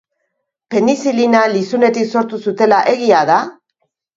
Penizilina lizunetik sortu zutela egia da?